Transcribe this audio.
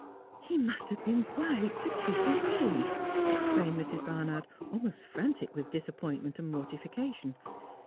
' He must have been bribed to keep away,' exclaimed Mrs. Barnard, almost frantic with disappointment and mortification.